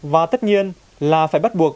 và tất nhiên là phải bắt buộc